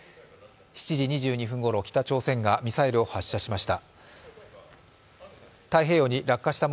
７時２２分ごろ、北朝鮮がミサイルを発射しました。